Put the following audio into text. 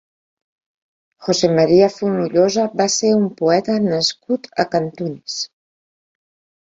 José María Fonollosa va ser un poeta nascut a Can Tunis.